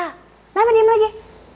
kenapa diem lagi